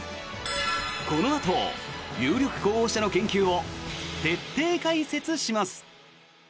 このあと、有力候補者の研究を徹底解説します。